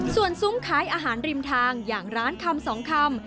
ส่วนซุ้มขายอาหารริมทางอย่างร้านคำสองคำ